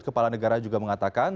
kepala negara juga mengatakan